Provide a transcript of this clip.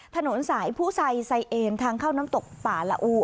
ถนนสายผู้ไซไซเอมทางเข้าน้ำตกป่าละอู